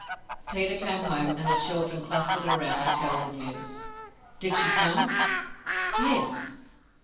Peter came home, and the children clustered around to tell the news. "Did she come?" "Yes."